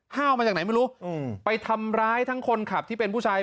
ห้าวมาจากไหนไม่รู้ไปทำร้ายทั้งคนขับที่เป็นผู้ชาย